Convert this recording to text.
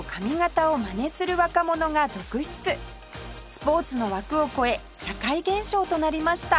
スポーツの枠を超え社会現象となりました